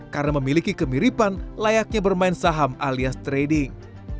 karena memiliki kemiripan layaknya bermain saham alias trading